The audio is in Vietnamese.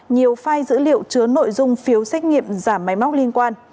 nhiều file dữ liệu chứa nội dung phiếu xét nghiệm giảm máy móc liên quan